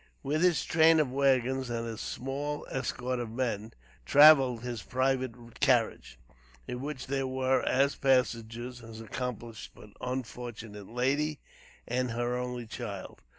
With his train of wagons and his small escort of men, traveled his private carriage, in which there were, as passengers, his accomplished but unfortunate lady and her only child.